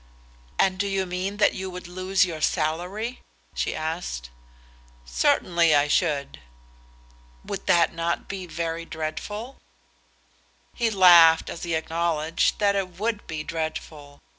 "And do you mean that you would lose your salary?" she asked. "Certainly I should." "Would not that be very dreadful?" He laughed as he acknowledged that it would be dreadful.